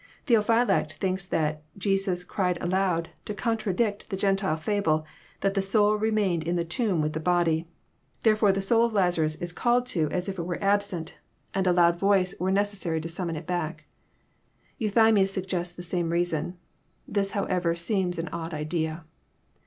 Tbeopliylact thinks that Jesus "cried aloud to contradict the Gentile fable that the soul remained in the tomb with the body. Therefore the soul of Lazarus is called to as if it were absent, 288 EXPOSITOBY THOUGHTS. and a loud voice were necessary to sammon it back." Eathymins suggests the same reason. This, however, seems an odd idea.